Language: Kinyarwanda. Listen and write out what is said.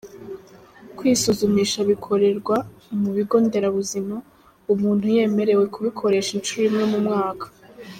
Kwisuzumisha bikorerwa mu bigo nderabuzima, umuntu yemerewe kubikoresha inshuro imwe mu mwaka.